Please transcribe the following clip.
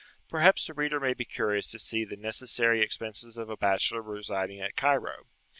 Perhaps the reader may be curious to see the necessary expenses of a bachelor residing at Cairo.